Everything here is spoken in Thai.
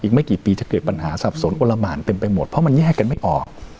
ไม่กี่ปีจะเกิดปัญหาสับสนอนละหมานเต็มไปหมดเพราะมันแยกกันไม่ออก